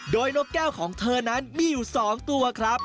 โดยนกแก้วของเธอนั้นมีอยู่๒ตัวครับ